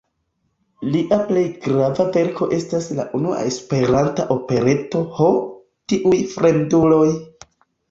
Lia plej grava verko estas la unua Esperanta opereto "Ho, tiuj fremduloj!